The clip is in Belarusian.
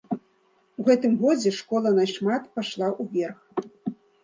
У гэтым годзе школа нашмат пайшла ўверх.